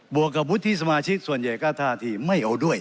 วกกับวุฒิสมาชิกส่วนใหญ่ก็ท่าทีไม่เอาด้วย